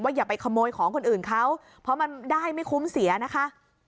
อย่าไปขโมยของคนอื่นเขาเพราะมันได้ไม่คุ้มเสียนะคะ